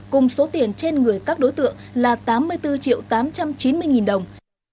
cùng số tiền trên người các đối tượng là tám mươi bốn triệu tám trăm chín mươi nghìn đồng